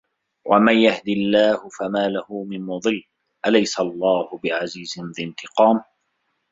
وَمَن يَهدِ اللَّهُ فَما لَهُ مِن مُضِلٍّ أَلَيسَ اللَّهُ بِعَزيزٍ ذِي انتِقامٍ